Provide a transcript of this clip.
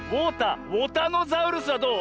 ウォタノザウルスはどう？